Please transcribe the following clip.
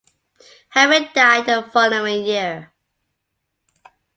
Harry died the following year.